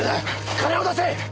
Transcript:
金を出せ！